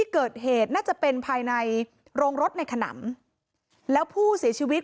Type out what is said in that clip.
เกิดเหตุน่าจะเป็นภายในโรงรถในขนำแล้วผู้เสียชีวิต